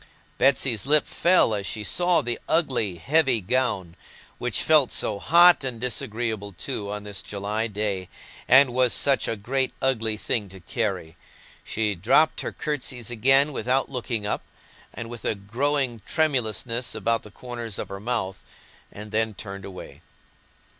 Bessy's lip fell as she saw the ugly, heavy gown—which felt so hot and disagreeable too, on this July day, and was such a great ugly thing to carry. She dropped her curtsies again, without looking up, and with a growing tremulousness about the corners of her mouth, and then turned away.